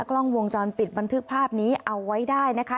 กล้องวงจรปิดบันทึกภาพนี้เอาไว้ได้นะคะ